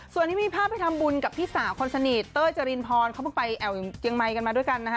ส่วนนี้มีภาพไปทำบุญกับพี่สาวคนสนิทเต้ยจรินพรเขาเพิ่งไปแอวเจียงใหม่กันมาด้วยกันนะคะ